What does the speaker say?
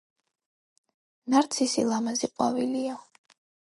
ნარცისი ლამაზი ყვავილია